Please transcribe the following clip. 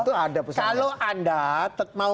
kalau anda mau